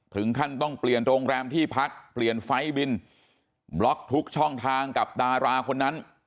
ถึงขั้นต้องเปลี่ยนโรงแรมที่พักเปลี่ยนไฟล์บินบล็อกทุกช่องทางกับดาราคนนั้น